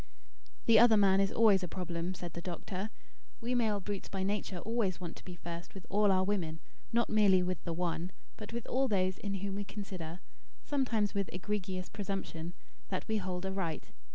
"The 'other man' is always a problem," said the doctor. "We male brutes, by nature, always want to be first with all our women; not merely with the one, but with all those in whom we consider, sometimes with egregious presumption, that we hold a right.